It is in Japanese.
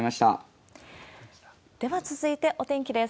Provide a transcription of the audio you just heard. では続いてお天気です。